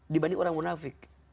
dibanding orang munafik